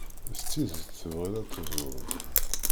S tidet tebɣiḍ ad tebruḍ?